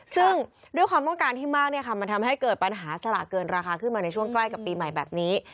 ซึ่งด้วยความต้องการที่มากมันทำให้เกิดปัญหาสลากเกินราคาขึ้นมาในช่วงใกล้กับปีใหม่แบบนี้